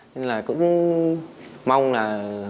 nên là cũng mong là